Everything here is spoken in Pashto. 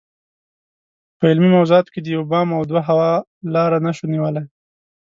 په علمي موضوعاتو کې د یو بام او دوه هوا لاره نشو نیولای.